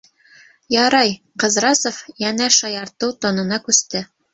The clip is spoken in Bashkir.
Ярай, - Ҡыҙрасов йәнә шаяртыу тонына күсте.